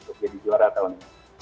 untuk jadi juara tahun ini